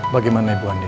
bagaimana ibu andi